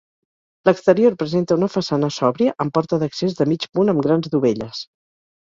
L'exterior presenta una façana sòbria amb porta d'accés de mig punt amb grans dovelles.